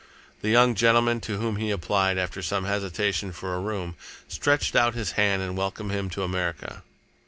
The young gentleman to whom he applied, after some hesitation, for a room, stretched out his hand and welcomed him to America.